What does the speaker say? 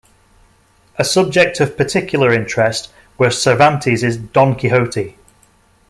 A subject of particular interest was Cervantes's "Don Quixote".